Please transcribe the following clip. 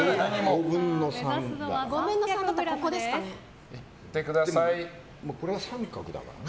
５分の３だからここですかね。